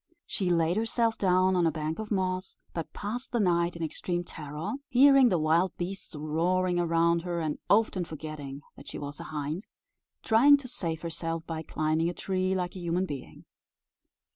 She laid herself down on a bank of moss, but passed the night in extreme terror, hearing the wild beasts roaring around her, and often forgetting that she was a hind, trying to save herself by climbing a tree like a human being.